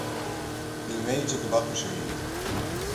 Ní méide go bhfaca sé iad.